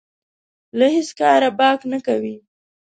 له هېڅ کاره باک نه کوي.